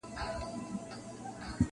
وطن مو خپل پاچا مو خپل طالب مُلا مو خپل وو-